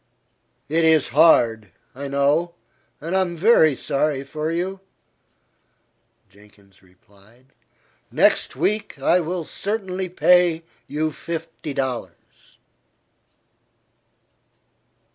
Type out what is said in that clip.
"It is hard, I know, and I am very sorry for you," Jenkins replied. "Next week, I will certainly pay you fifty dollars."